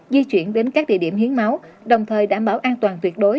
di chuyển đến các địa điểm hiến máu đồng thời đảm bảo an toàn tuyệt đối